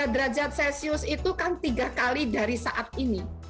derajat celcius itu kan tiga kali dari saat ini